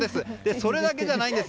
それだけじゃないんです。